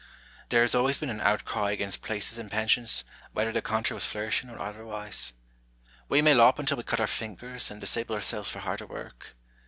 There has always been an outcry against places and pensions, whether the country was flourishing or otherwise. "We may lop until we cut our fingers and dis able ourselves for harder work.